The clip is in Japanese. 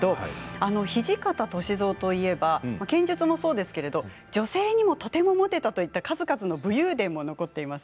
土方歳三といえば剣術もそうですけれど女性にとてもモテたという数々の武勇伝が残っています。